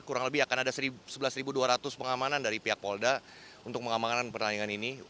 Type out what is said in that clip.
kurang lebih akan ada sebelas dua ratus pengamanan dari pihak polda untuk mengamankan pertandingan ini